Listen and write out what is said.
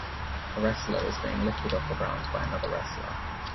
A wrestler is being lifted off the ground by another wrestler.